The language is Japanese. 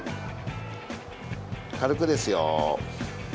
軽くですよ。